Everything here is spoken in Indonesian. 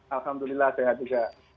alhamdulillah sehat juga